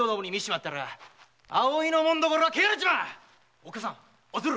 おっかさんおつる。